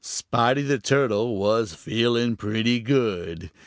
Spotty the Turtle was feeling pretty good.